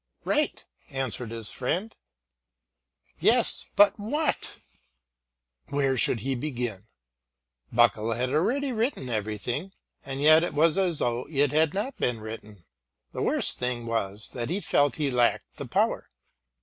"Write!" answered his friend. "Yes, but what?" Where should he begin? Buckle had already written everything, and yet it was as though it had not been written. The worst thing was that he felt he lacked the power.